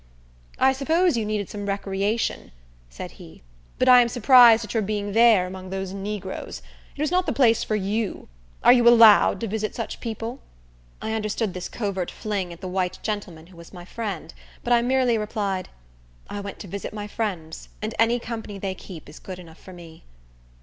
"I suppose you need some recreation," said he, "but I am surprised at your being there, among those negroes. It was not the place for you. Are you allowed to visit such people?" I understood this covert fling at the white gentleman who was my friend; but I merely replied, "I went to visit my friends, and any company they keep is good enough for me."